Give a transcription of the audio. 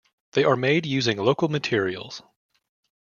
These are made using local materials.